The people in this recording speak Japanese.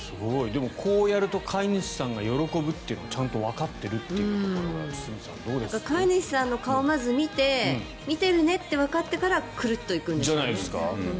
でもこうやると飼い主さんが喜ぶっていうのがちゃんとわかっているっていうところが飼い主さんの顔をまず見て見ているねとわかってからクルッていくんですかね。